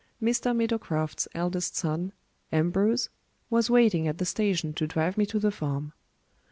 Mr. Meadowcroft's eldest son, Ambrose, was waiting at the station to drive me to the farm.